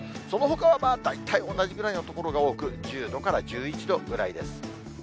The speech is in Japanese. そのほかは大体同じぐらいの所が多く、１０度から１１度ぐらいです。